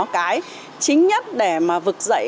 cái chính nhất để mà vực dậy